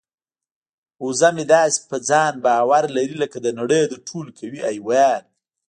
وزه مې داسې په ځان باور لري لکه د نړۍ تر ټولو قوي حیوان.